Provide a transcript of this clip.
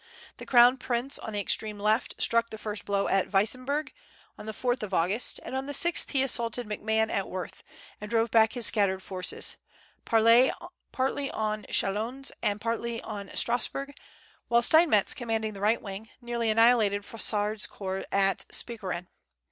The crown prince, on the extreme left, struck the first blow at Weissenburg, on the 4th of August; and on the 6th he assaulted McMahon at Worth, and drove back his scattered forces, partly on Chalons, and partly on Strasburg; while Steinmetz, commanding the right wing, nearly annihilated Frossard's corps at Spicheren.